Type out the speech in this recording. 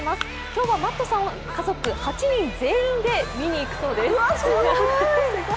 今日はマットさん家族８人全員で見に行くそうです。